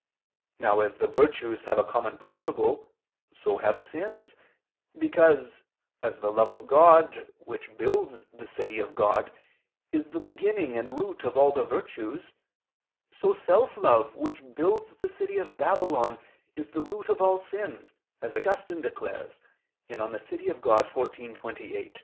Now as the virtues have a common principle, so have sins, because, as the love of God, which builds the city of God, is the beginning and root of all the virtues, so self love, which builds the city of Babylon, is the root of all sins, as Augustine declares (De Civ. Dei xiv, 28).